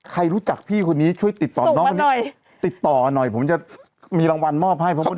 ใครรู้จักพี่คนนี้ช่วยติดต่อน้องคนนี้ติดต่อหน่อยผมจะมีรางวัลมอบให้เพราะไม่ได้